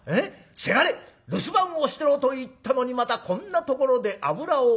『せがれ留守番をしてろと言ったのにまたこんなところで油を売って』。